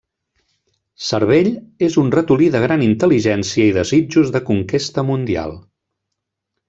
Cervell és un ratolí de gran intel·ligència i desitjos de conquesta mundial.